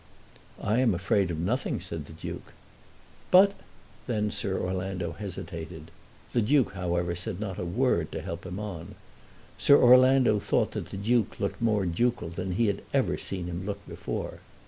"I am afraid of nothing," said the Duke. "But ;" then Sir Orlando hesitated. The Duke, however, said not a word to help him on. Sir Orlando thought that the Duke looked more ducal than he had ever seen him look before.